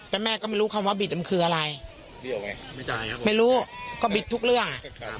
แต่แม่ก็ไม่รู้คำว่าบิดมันคืออะไรไม่รู้ก็บิดทุกเรื่อง